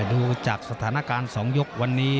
ดูจากสถานการณ์๒ยกวันนี้